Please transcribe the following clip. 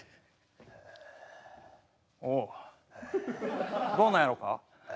おおどうなんやろか？